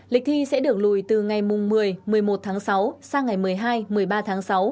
lịch thi sẽ được lùi từ ngày một mươi một mươi một tháng sáu sang ngày một mươi hai một mươi ba tháng sáu